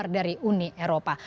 keluar dari uni eropa